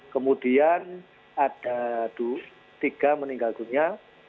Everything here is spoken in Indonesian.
kemudian ada tiga meninggal dunia